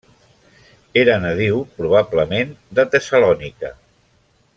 Era nadiu probablement de Tessalònica.